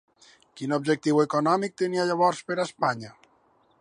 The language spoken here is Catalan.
Quin objectiu econòmic tenia llavors per a Espanya?